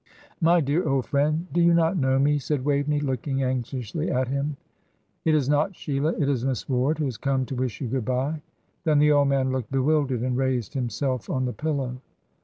"My dear old friend, do you not know me?" and Waveney looked anxiously at him. "It is not Sheila, it is Miss Ward who has come to wish you good bye." Then the old man looked bewildered, and raised himself on the pillow.